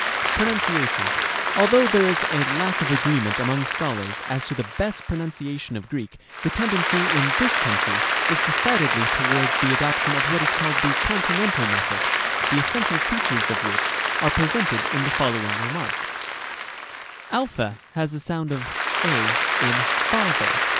PRONUNCIATION. ᾿ Rem. a. Although there is a lack of agreement among scholars as to the best pronunciation of Greek, the tendency in this country is decidedly towards the adoption of what is called the "Continen tal" method, the essential features of which are presented in the following Remarks. : Rem. b. a has the sound of a in father.